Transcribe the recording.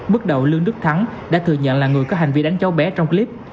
bước đầu lương đức thắng đã thừa nhận là người có hành vi đánh cháu bé trong clip